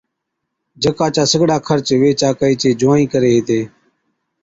جڪا چا سِگڙا خرچ ويھِچ آڪھِي چي جُووائِي (نِياڻي سِياڻي) ڪري ھِتي